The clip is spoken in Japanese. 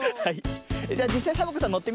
じゃじっさいサボ子さんのってみてください。